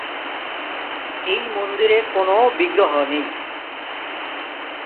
এই মন্দিরে কোনও বিগ্রহ নেই।